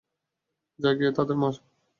যা, গিয়ে তাদের মার।